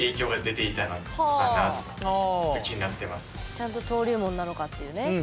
ちゃんと登竜門なのかっていうね。